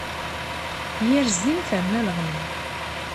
Yir zzin terna leɣla.